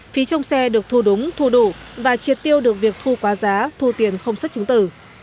phí trong xe được thu đúng thu đủ và triệt tiêu được việc thu quá giá thu tiền không xuất chứng tử